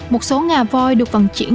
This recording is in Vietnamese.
một số ngà voi được vận chuyển